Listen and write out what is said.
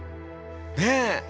ねえ。